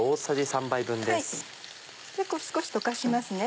少し溶かしますね。